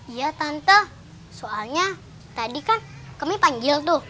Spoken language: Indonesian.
iya tante soalnya tadi kan kami panggil tuh